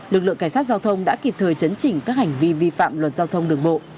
lực lượng cảnh sát giao thông đã kịp thời chấn chỉnh các hành vi vi phạm luật giao thông đường bộ